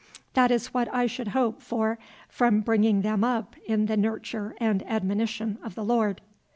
That is what I should hope for from bringing them up 'in the nurture and admonition of the Lord.'"